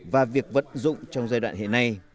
và việc vận dụng trong giai đoạn hiện nay